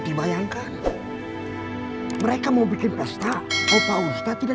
tersinggung gak apa tidak